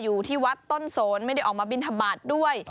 อยู่ที่วัดต้นโสนไม่ได้ออกมาบินทบาทด้วย